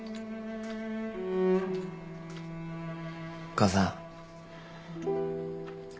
母さん。